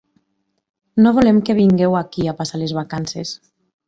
No volem que vingueu aquí a passar les vacances.